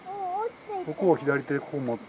ここを左手でここ持って。